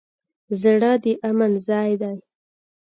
زړه د امن ځای دی.